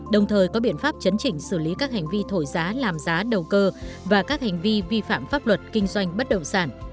đồng thời có biện pháp chấn chỉnh xử lý các hành vi thổi giá làm giá đầu cơ và các hành vi vi phạm pháp luật kinh doanh bất động sản